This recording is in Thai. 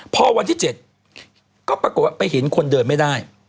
พอวันที่๗ก็ปรากฏว่าไปเห็นคนเดินไม่ได้